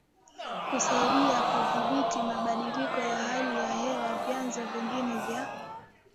kusaidia kudhibiti mabadiliko ya hali ya hewaVyanzo vingine vya